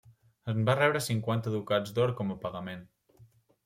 En va rebre cinquanta ducats d'or com a pagament.